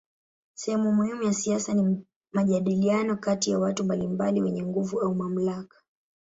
Sehemu muhimu ya siasa ni majadiliano kati ya watu mbalimbali wenye nguvu au mamlaka.